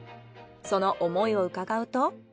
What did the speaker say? その思いを伺うと。